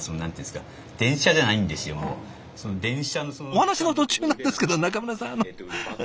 お話の途中なんですけど中村さんあの電車。